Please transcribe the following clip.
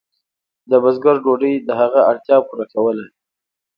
د بزګر ډوډۍ د هغه اړتیا پوره کوله.